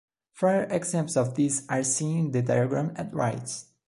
Four examples of this are seen in the diagram at right.